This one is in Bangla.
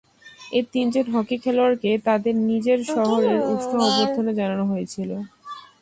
এই তিনজন হকি খেলোয়াড়কে তাদের নিজের শহরের উষ্ণ অভ্যর্থনা জানানো হয়েছিল।